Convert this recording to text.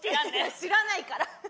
知らないから。